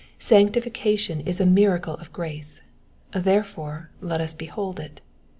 Sanctification is a miracle of grace ; therefore let us behold it.